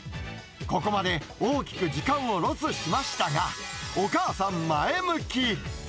ここまで大きく時間をロスしましたが、お母さん、前向き。